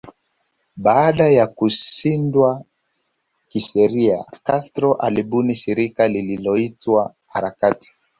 Baada ya kushindwa kisheria Castro alibuni shirika lililoitwa harakati